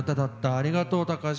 ありがとう隆子。